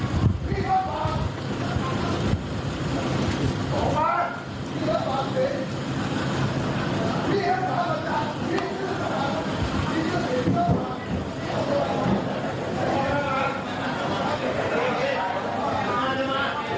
ขอบคุณขอบคุณเรียบร้อยแล้ว